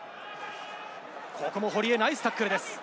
ここも堀江、ナイスタックルです。